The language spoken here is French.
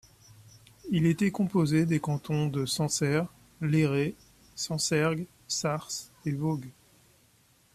Il était composé des cantons de Sancerre, Léré, Sancergues, Sars et Veaugues.